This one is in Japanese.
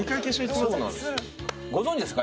ご存じですか？